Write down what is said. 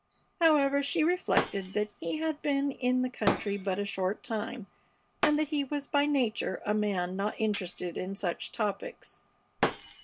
However, she reflected that he had been in the country but a short time, and that he was by nature a man not interested in such topics.